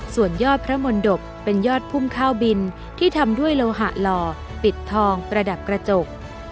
ส่วนยอดพระมนตบเป็นยอดพุ่มข้าวบินที่ทำด้วยโลหะหล่อปิดทองประดับกระจก